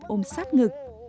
ôm sát ngực